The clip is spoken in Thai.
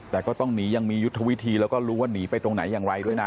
แต่ก็ต้องหนียังมียุทธวิธีแล้วก็รู้ว่าหนีไปตรงไหนอย่างไรด้วยนะ